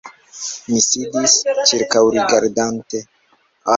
Mi sidis, ĉirkaŭrigardante.